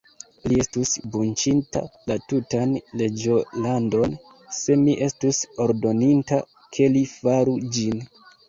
Li estus buĉinta la tutan reĝolandon, se mi estus ordoninta, ke li faru ĝin.